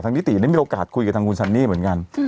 นิติได้มีโอกาสคุยกับทางคุณซันนี่เหมือนกัน